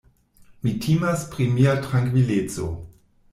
Mi timas pri mia trankvileco!